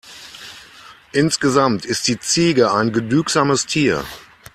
Insgesamt ist die Ziege ein genügsames Tier.